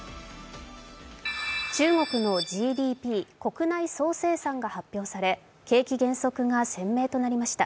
中国のＧＤＰ＝国内総生産が発表され、景気減速が鮮明となりました。